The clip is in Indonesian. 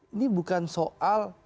ini bukan soal